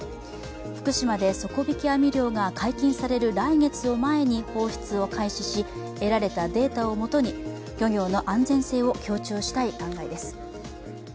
福島で底引き網漁が解禁される来月を前に放出を開始し得られたデータをもとに漁業の安全性を強調したい考えです。